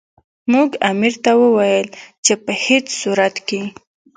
موږ امیر ته وویل چې په هیڅ صورت کې.